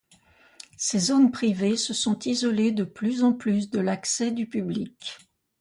Ces zones privées se sont isolées de plus en plus de l'accès du public.